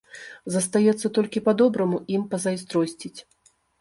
Застаецца толькі па-добраму ім пазайздросціць.